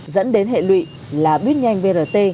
dẫn đến hệ lụy là buýt nhanh brt